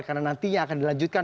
karena nantinya akan dilanjutkan